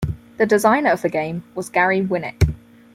The designer of the game was Gary Winnick.